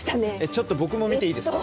ちょっと僕も見ていいですか？